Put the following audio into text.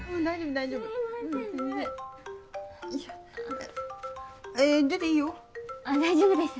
大丈夫です。